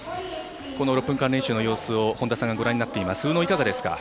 この６分間練習の様子を本田さんがご覧になっています。